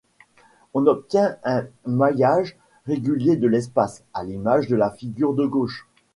On obtient un maillage régulier de l'espace, à l'image de la figure de gauche.